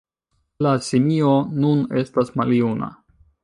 La simio nun estas maljuna.